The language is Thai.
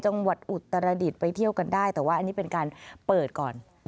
อุตรดิษฐ์ไปเที่ยวกันได้แต่ว่าอันนี้เป็นการเปิดก่อน